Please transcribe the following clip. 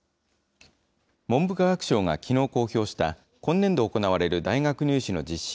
文部科学省がきのう公表した、今年度行われる大学入試の実施